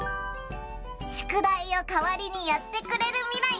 しゅくだいをかわりにやってくれるみらい。